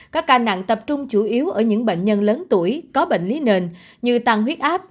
các ca nặng tập trung chủ yếu ở những bệnh nhân lớn tuổi có bệnh lý nền như tăng huyết áp